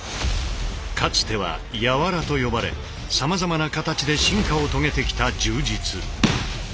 かつては「柔」と呼ばれさまざまな形で進化を遂げてきた柔術。